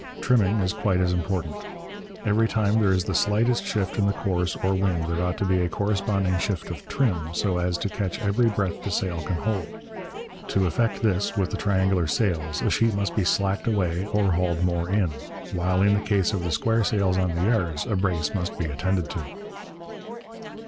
Trimming is quite as important. Every time there is the slightest shift in the course or wind there ought to be a corresponding shift of trim so as to catch every breath the sail can hold. To effect this with the triangular sails a sheet must be slacked away or hauled more in; while, in the case of the square sails on the yards, a brace must be attended to.